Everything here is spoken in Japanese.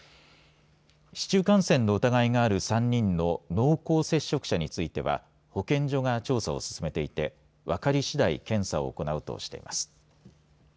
市中感染の疑いがある３人の濃厚接触者については保健所が調査を進めていて分かりしだい検査を行うとしています。